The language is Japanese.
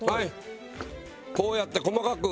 こうやって細かく。